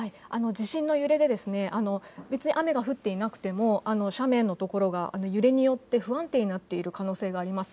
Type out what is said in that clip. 地震の揺れで雨が降っていなくても斜面の所が揺れによって不安定になっている可能性があります。